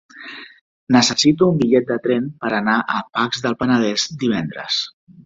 Necessito un bitllet de tren per anar a Pacs del Penedès divendres.